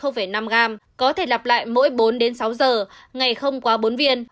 năm g có thể lặp lại mỗi bốn sáu giờ ngày không quá bốn viên